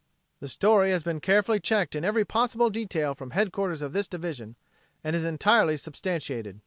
"The story has been carefully checked in every possible detail from Headquarters of this Division and is entirely substantiated.